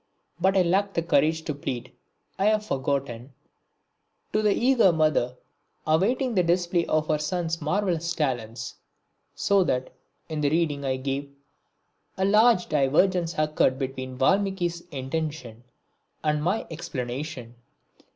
But I lacked the courage to plead "I have forgotten" to the eager mother awaiting the display of her son's marvellous talents; so that, in the reading I gave, a large divergence occurred between Valmiki's intention and my explanation.